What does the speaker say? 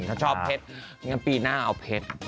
ถ้าชอบเพชรงั้นปีหน้าเอาเพชร